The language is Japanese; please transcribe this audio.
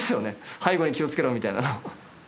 背後に気をつけろみたいな。